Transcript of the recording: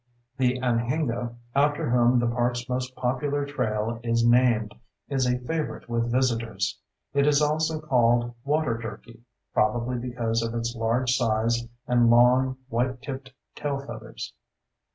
The anhinga, after whom the park's most popular trail is named, is a favorite with visitors. It is also called water turkey, probably because of its large size and long, white tipped tail feathers.